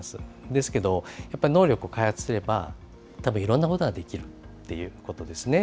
ですけど、やっぱり能力を開発すれば、たぶん、いろんなことができるということですね。